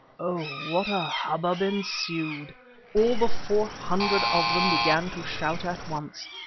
Oh! what a hubbub ensued. All the four hundred of them began to shout at once.